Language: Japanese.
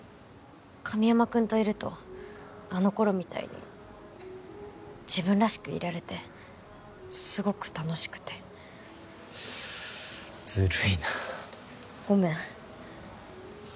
神山くんといるとあの頃みたいに自分らしくいられてすごく楽しくてずるいなごめん